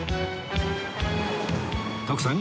徳さん